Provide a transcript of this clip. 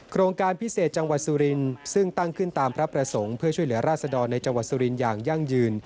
โครงการพิเศษจังหวัดสุรินทร์ซึ่งตั้งขึ้นตามพระประสงค์เพื่อช่วยเหลือราชดรในจังหวัดสุรินทร์อย่างยั่งยืน